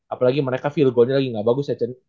apalagi mereka feel goalnya lagi gak bagus sih